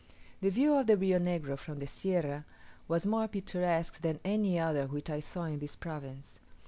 The view of the Rio Negro from the Sierra was more picturesque than any other which I saw in this province.